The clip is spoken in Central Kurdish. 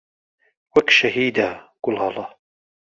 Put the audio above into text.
وەک شەهیدە گوڵاڵە